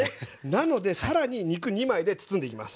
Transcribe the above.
なので更に肉２枚で包んでいきます。